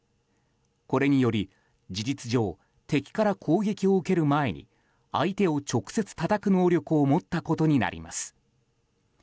これにより事実上、敵から攻撃を受ける前に相手を直接たたく能力を持ったことになります。